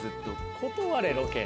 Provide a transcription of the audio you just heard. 断れロケ。